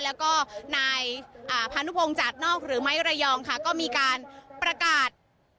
แล้วก็นายพานุพงศ์จัดนอกหรือไม้ระยองค่ะก็มีการประกาศ